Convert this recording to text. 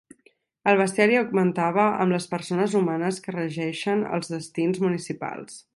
El bestiari augmentava amb les persones humanes que regeixen els destins municipals.